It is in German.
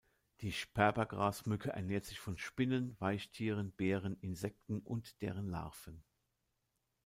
Die Sperbergrasmücke ernährt sich von Spinnen, Weichtieren, Beeren, Insekten und deren Larven.